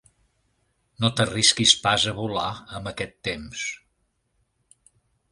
No t'arrisquis pas a volar, amb aquest temps.